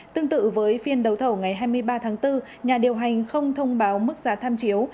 tương tự với phiên đấu thầu ngày hai mươi ba tháng bốn nhà điều hành không thông báo mức giá tham chiếu